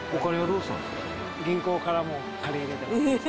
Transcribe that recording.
銀行からも借り入れてます。